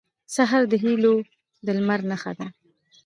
سهار د هيلو د لمر نښه ده.